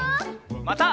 また。